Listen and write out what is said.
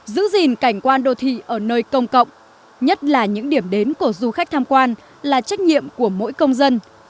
giữ gìn cảnh quan đô thị ở nơi công cộng nhất là những điểm đến của du khách tham quan là trách nhiệm của mỗi công dân